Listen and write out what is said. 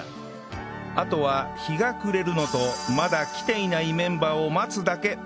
あとは日が暮れるのとまだ来ていないメンバーを待つだけ